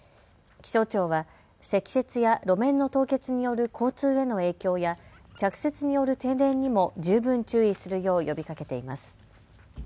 気象庁は積雪や路面の凍結による交通への影響や着雪による停電にも十分注意するよう呼びかけています。